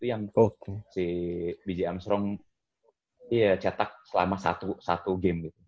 jadi bj armstrong ya cetak selama satu game gitu